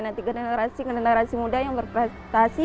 nanti generasi generasi muda yang berprestasi